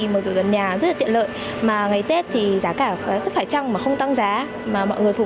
mở cửa gần nhà rất là tiện lợi mà ngày tết thì giá cả rất phải trăng mà không tăng giá mà mọi người phụ